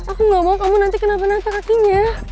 aku gak mau kamu nanti kena penangka kakinya